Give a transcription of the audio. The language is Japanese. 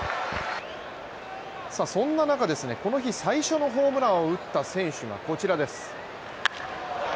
そんな中ですね、この日最初のホームランを打った選手がこちらです。